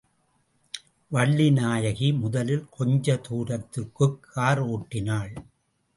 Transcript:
வள்ளி நாயகி முதலில் கொஞ்ச தூரத்திற்குக் கார் ஓட்டினாள்.